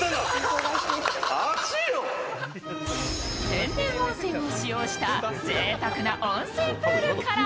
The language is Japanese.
天然温泉を使用したぜいたくな温水プールから